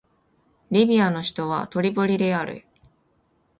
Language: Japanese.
リビアの首都はトリポリである